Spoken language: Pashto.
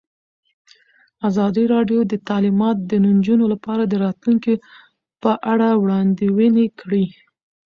ازادي راډیو د تعلیمات د نجونو لپاره د راتلونکې په اړه وړاندوینې کړې.